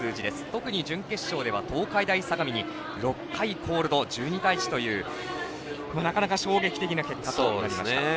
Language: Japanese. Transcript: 特に準決勝では東海大相模に６回コールド、１２対１というなかなか衝撃的な結果となりました。